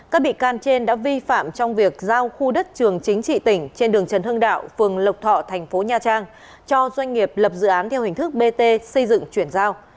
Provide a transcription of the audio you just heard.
các bị can trên đã vi phạm trong việc giao khu đất trường chính trị tỉnh trên đường trần hưng đạo phường lộc thọ thành phố nha trang cho doanh nghiệp lập dự án theo hình thức bt xây dựng chuyển giao